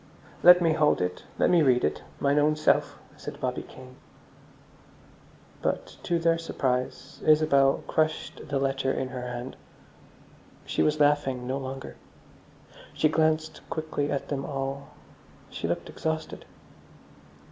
"Let me hold it. Let me read it, mine own self," said Bobby Kane. But, to their surprise, Isabel crushed the letter in her hand. She was laughing no longer. She glanced quickly at them all; she looked exhausted.